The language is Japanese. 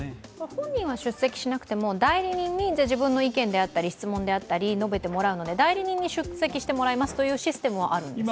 本人は出席しなくても代理人に、自分の意見であったり質問であったり述べてもらうので、代理人に出席してもらうシステムはあるんですか？